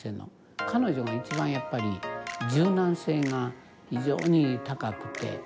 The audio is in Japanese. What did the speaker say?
彼女が一番やっぱり柔軟性が非常に高くて。